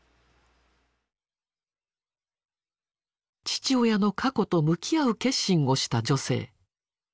父親の過去と向き合う決心をした女性。